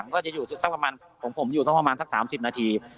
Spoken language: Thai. มันก็จะอยู่สักประมาณของผมอยู่สักประมาณสัก๓๐นาที